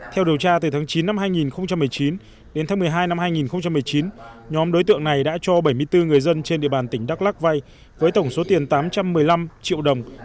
theo điều tra từ tháng chín năm hai nghìn một mươi chín đến tháng một mươi hai năm hai nghìn một mươi chín nhóm đối tượng này đã cho bảy mươi bốn người dân trên địa bàn tỉnh đắk lắc vay với tổng số tiền tám trăm một mươi năm triệu đồng